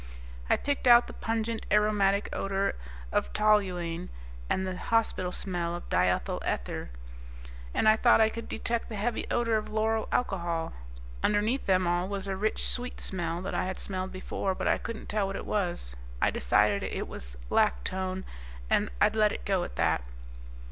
I picked out the pungent, aromatic odor of toluene and the hospital smell of diethyl ether, and I thought I could detect the heavy odor of lauryl alcohol. Underneath them all was a rich, sweet smell that I had smelled before, but I couldn't tell what it was. I decided it was a lactone, and let it go at that.